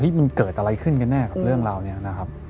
มันเกิดอะไรขึ้นกันแน่กับเรื่องราวนี้นะครับ